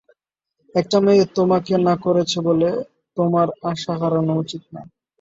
একটা মেয়ে তোমাকে না করেছে বলে, তোমার আশা হারানো উচিত না।